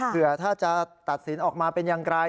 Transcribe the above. เผื่อถ้าจะตัดสินออกมาเป็นอย่างไร